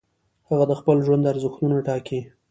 هغه د خپل ژوند ارزښتونه ټاکي.